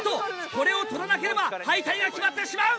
これを取らなければ敗退が決まってしまう！